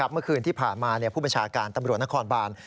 เมื่อคืนที่ผ่านมาผู้บัญชาการตำรวจนครบาน